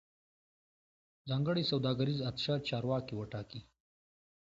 ځانګړی سوداګریز اتشه چارواکي وټاکي